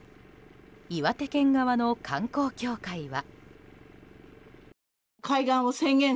岩手県側の観光協会は。